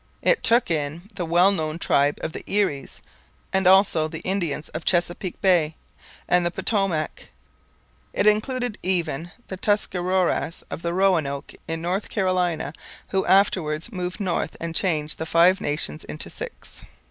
It took in the well known tribe of the Eries, and also the Indians of Chesapeake Bay and the Potomac. It included even the Tuscaroras of the Roanoke in North Carolina, who afterwards moved north and changed the five nations into six.